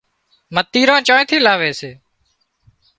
متيران چانئين ٿِي لاوي سي